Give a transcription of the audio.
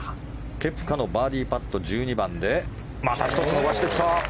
ケプカのバーディーパット１２番でまた１つ伸ばしてきた。